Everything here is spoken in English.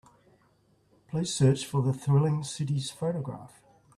Please search for the Thrilling Cities photograph.